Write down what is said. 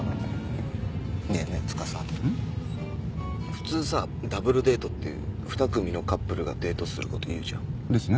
普通さダブルデートって２組のカップルがデートする事を言うじゃん？ですね。